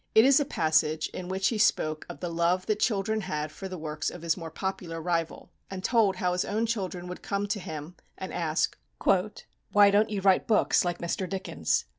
It is a passage in which he spoke of the love that children had for the works of his more popular rival, and told how his own children would come to him and ask, "Why don't you write books like Mr. Dickens?"